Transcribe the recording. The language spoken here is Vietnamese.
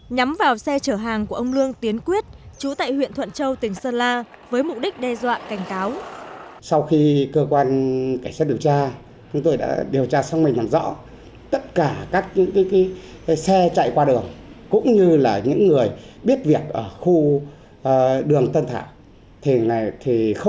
nhắm vào xe chở hàng của ông lương tiến quyết chú tại huyện thuận châu tỉnh sơn la với mục đích đe dọa cảnh cáo